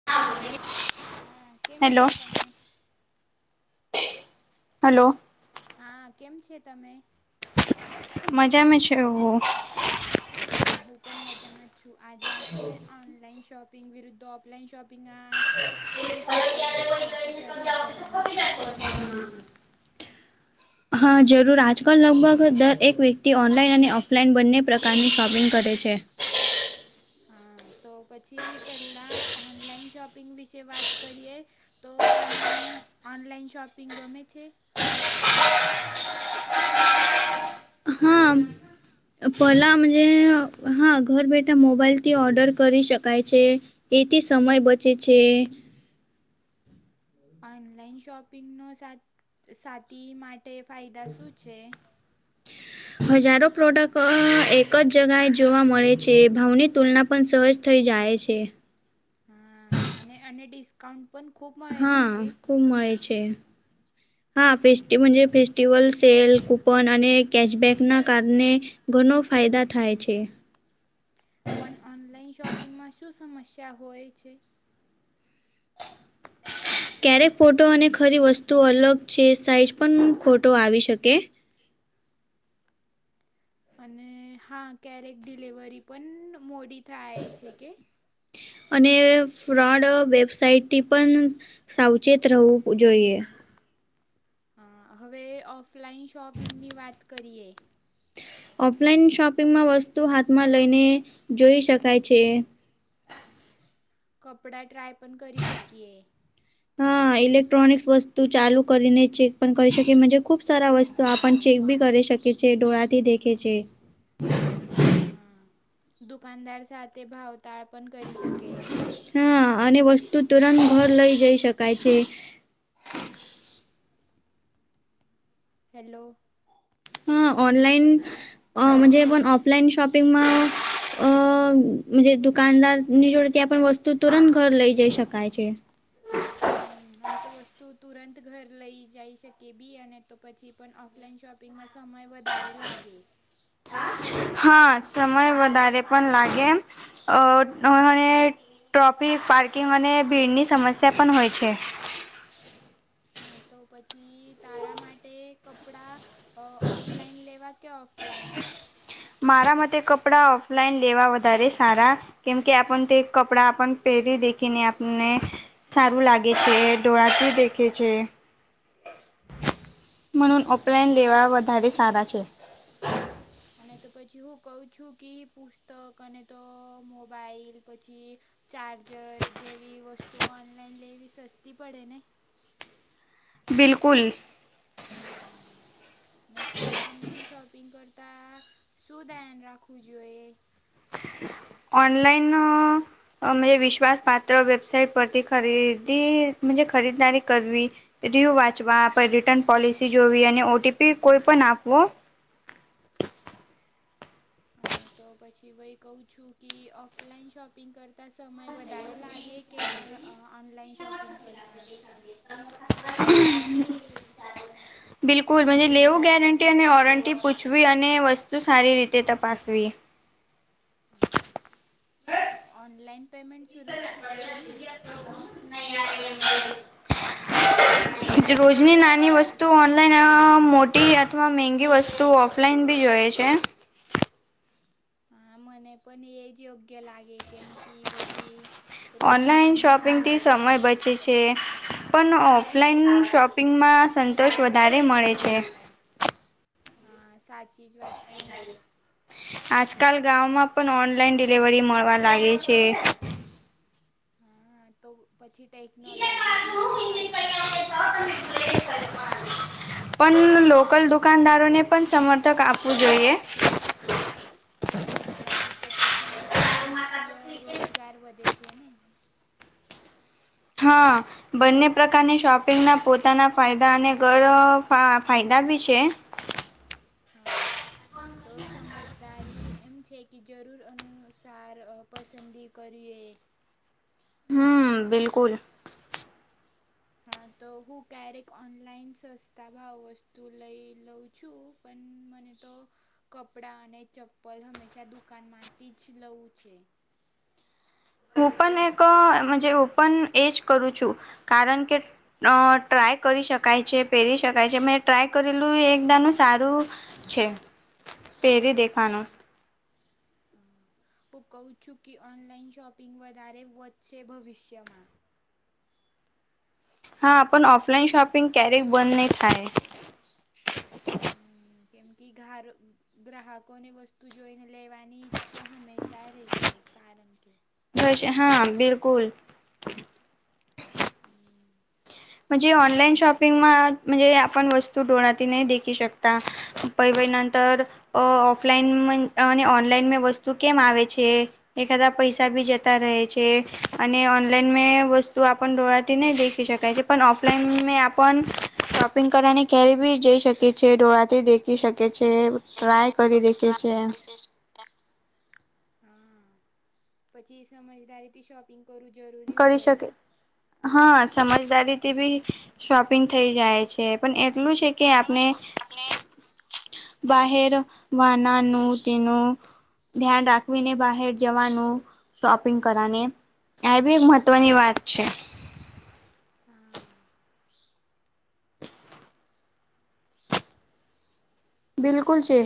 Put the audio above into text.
[unintelligible] હા કેમ છે હેલો તમે. હલો. હા કેમ છે તમે. મજા મે છુ. હા હું પણ મજામાં છું આજે આપને ઓનલાઈન શોપ પિંગ વિરુદ્ધ ઓફલાઈન શોપિંગ આ વિષય પર વિસ્તારથી ચર્ચા કરવાની. છે. હા જરૂર આજકાલ લગભગ દરક વ્યક્તિ ઓનલાઈન અને ઓફલાઈન બંને પ્રકારની શોપિંગ કરે છે. હા તો પછી પહેલાં ઓનલાઈન શોપિંગ વિશે વાત કરીએ તો તને ઓનલાઈન શોપિંગ ગમે છે. પલાજ હા ઘર બેઠા મોબાઈલથી ઓર્ડર કરી શકાય છે. એથી સમય બચે છે. ઓનલાઈન શોપિંગનો સા સાથી માટે ફાયદા શું છે. હજારો પ્રોડક્ટ એક જ જગ્યાએ જોવા મળે છે ભાવની તુલના પણ સહજ થઈ જાય છે. હા અને અને ડિસ્કાઉન્ટ પણ ખૂબ મળે છે હા કે ખૂબ મળ છે હા ફેસ્ટ ફેસ્ટસ્ટીવલ્સલ સેલ ખ પણ અને કેશબેકના કારણે ઘણો ફાયદા થાય છે. પણ ઓનલાઈન શોપિંગમાં શું સમસ્યા હોય છે. ક્યારેક ફોટો અને ખરી વસ્તુ અલગ છે સાઈઝ પણ ખોટો આવી શકે અને હા ક્યારેક ડિલિવરી પણ મોડી થાય છે કે. અને ફ્રોડ વેબસાઇટથી પણ સાવચેત રહેવું જોઈએ હવે ઓફલાઈન શોપિંગની વાત કરીએ ઓફલાઈન શોપિંગમાં વસ્તુ હાથમાં લઈને જોઈ શકાય છે. કપડા ટ્રાય પણ કરી શકીએ હા ઇલેક્ટ્રોનિક્સ વસ્તુ ચાલુ કરીને ચેક પણ કરી શકીજ ખુબ સારા વસ્તુ તો આપણ ચેક બી કરી શકીએ છ છેએ ડોળાથી દેખે છે. હા દુકાનદાર સાથે ભાવતાળ પણ કરી શકેના હા અને વસ્તુ તુરંત ઘર લઇ જઈ શકાય છે. હેલો હા ઓનલાઈનજ પણ ઓફલાઈન શોપિંગમાં અ દુકાનદાર ની જોડે ત્યાં પણ વસ્તુ તુરંત ઘર લઈ જઈ શકાય છે. હ અને તો વસ્તુ તુરંત ઘર લઈ જઈ શકે બી અને તો પછી પણ ઓફલાઈન શોપ શપિંગમાં સમય વધારે લાગે હા, સમય વધારે પણ લાગે એમ અહ અને ટ્રોફિક પાર્કિંગ અને ભીડની સમસ્યા પણ હોય છે. હા, તો પછી તારા માટે કપડાં અહ ઓનલાઈન લેવા કે ઓફલાઈન? મારા મતે કપડાં ઓફલાઈન લેવા વધારે સારા કેમ કે આપણ તે કપડા આપ પહેરી દેખી આપને સારું લાગે છે ઢોળાથી દેખે છે. હા અને તો લેવા વધારે પછી સારા છે. અને તો પછી હું કહું છું કે પુસ્તક અને તો મોબાઈલ પછી ચાર્જર જેવી વસ્તુઓ ઓનલાઈન લેવી સસ્તી પડે ને. બિલકુલ. હમ્મ. ને તો ઓનલાઈન શોપિંગ કરતા શું ધ્યાન રાખવું જોએ. ઓનલાઈન અહ અહ મેં વિશ્વાસ પાત્ર વેબસાઇટ પરથી ખરીદી જે ખરીદ દારી કરવી એ તીયુ વાંચવા આપડે રિટર્ન પોલિસી જોવી અને ઓ ટી પી કોઈ પણ આપવો અને તો પછી ભઈ કહું છું કે ઓફલાઈન શોપિંગ કરતા સમય વધારે લાગે કે ઓન ઓન ઓનલાઈન શોપિંગ કરતા? [inaudible] બિલકુલ મને લેવ ગેરંટી અને વોરંટી પૂ છવી અને વસ્તુ સારી રીતે તપાસવી. હા. અહ ઓનલાન પેમેન્ટ સુરક્ષિત છે ને [inaudible] હ રોજની નાની વસ્તુઓ ઓનલાઈન અહ મોટી અથવા મંંગી વસ્તુઓ ઓફ ઓફલાઈન બી જોઈએ છે. હા, મને પણ એજ યોગ્ય લાગે કેમ કી પછી રોજની ઓનલાઈન નાની નાની શોપિંગથી વસ્તુ સમય ની બચે કરતા છે. પણ ઓફલાઈન શોપિંગમાં સંતોષ વધારે મળે છે. હા, સાચી જ વાત છે. આજકાલ ગામમાં પણ ઓનલાઈન ડિલિવરી મળવા લાગે છે. હા, તો પછી ટેકનોલોજી આ માટે ફાયદા જ છે. પણ લોકલ દુકાનદારોને પણ સમર્થક આપવું જોઈએ. ને હેથી તો પછી સંસ્તીય રોજગાર વધે છે ને? હા. બંને પ્રકારની શોપિંગના પોતાના ફાયદા અને ઘર અહ ફાયદા બી છે. હા. તો સમજદારી એમ છે કે જરૂર અનુસાર અહ પસંદી કરીએ. હમ્મ, બિલકુલ. હા, તો હું ક્યારેક ઓનલાઈન સસ્તા ભાવ વસ્તુ લઈ લઉં છું. પણ મને તો કપડાં અને ચપ્પલ હંમેશા દુકાન માંથી જ લવું છે. ઓપન એક મેં જ ઓપન એ જ કરું છું કારણ કે અહ ટ્રાય કરી શકાય છે, પહેરી શકાય છે મે ટ્રાય કરેલું એકદાના સારું છે. પેરી દેખ હ હા. હું કહું છું કે ઓનલાઈન શોપિંગ વધારે વધશે ભવિષ્યમાં. હા, પણ ઓફલાઈન શોપિંગ ક્યારેક બંધ નહી થાય. હમ્મ. કેમ કે ઘારો ગ્રાહકોને વસ્તુ જોઈને લેવાની ઈચ્છા હંમેશા રહેશે. કારણ કે બજે હા બિલકુલ. હમ. જ ઓનલાઈન શોપિંગમાંજ આપણે વસ્તુ ડોળથી ન દેખી શકતા. પઈ વઈ નંતર અહ ઓફલાઈન અને ઓનલાઈન મે વસ્તુ કેમ આવે છે? એખાદા પૈસા બી જતા રહે છે અને ઓનલાઈન મેં વસ્તુ આપણ ડોહાતી નહીં દેખી શકાય છે. પણ ઓફલાઈન મે આપણ શોપિંગ કરવાની કેરી બી જઈ શકે છે. ડોળતી દેખી શકે છે, ટ્રાય કરી દેખે છે. હા પછી સમજદારી થી શોપિંગ કરવું જરૂરી કરી હોયને. શકે હા, સમજદારીથી બી શોપિંગ થઈ જાય છે, પણ એટલું છે કે આપણે અને બહેર વાનાનું તેનું. [unintelligible] ધ્યાન રાખવીને બહાર જવાનું શોપિંગ કરવાને. આ બી એક મહત્વની વાત છે. હા. બિલકુલ છે.